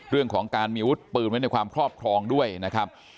เรื่องของการมีอาวุธปืนไว้ในความครอบครองด้วยนะครับ